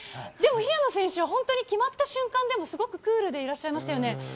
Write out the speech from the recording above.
でも平野選手は本当に決まった瞬間でも、すごくクールでいらっしゃいましたよね。